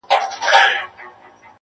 نه يې وكړل د آرامي شپي خوبونه،